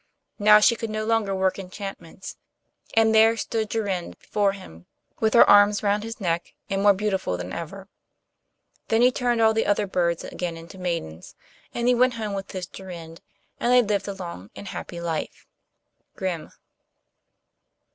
Now she could no longer work enchantments, and there stood Jorinde before him, with her arms round his neck, and more beautiful than ever. Then he turned all the other birds again into maidens, and he went home with his Jorinde, and they lived a long and happy life. Grimm.